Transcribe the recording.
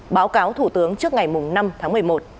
báo cáo thủ tướng trước ngày năm tháng một mươi một